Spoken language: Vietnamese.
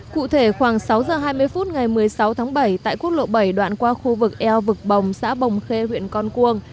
cụ thể khoảng sáu giờ hai mươi phút ngày một mươi sáu tháng bảy tại quốc lộ bảy đoạn qua khu vực eo vực bồng xã bồng khê huyện con cuông